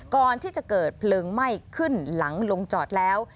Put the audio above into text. ก่อนที่จะเกิดเพลิงไหม้ขึ้นหลังลงจอดแล้ว